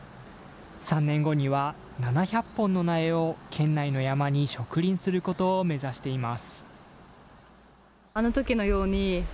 ３年後には７００本の苗を県内の山に植林することを目指しています。